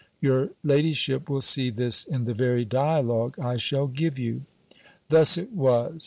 Your ladyship will see this in the very dialogue I shall give you. Thus it was.